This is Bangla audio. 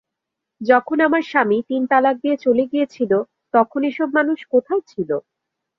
যখন আমার স্বামী তিন তালাক দিয়ে চলে গিয়েছিল তখন এসব মানুষ কোথায় ছিল?